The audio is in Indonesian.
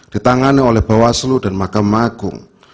ditangani oleh bawaslu dan mahkamah agung